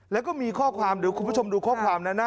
และก็มีข้อความคุณผู้ชมดูข้อความนั้นนะ